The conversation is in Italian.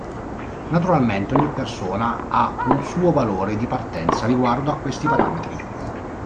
Naturalmente ogni persona ha un suo valore di partenza riguardo a questi parametri.